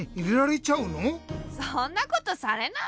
そんなことされないよ。